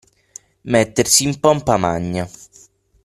Mettersi in pompa magna.